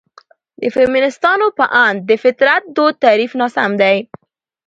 د فيمنستانو په اند: ''...د فطرت دود تعريف ناسم دى.